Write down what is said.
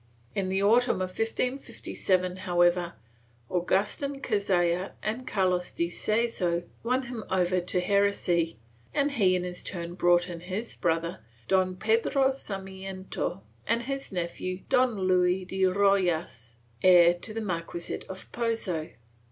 In the autumn of 1557, however, Augustin Cazalla and Carlos de Seso won him over to heresy and he, in his turn, brought in his brother, Don Pedro Sarmiento and his nephew Don Luis de Rojas, heir to the marquisate of Pozo.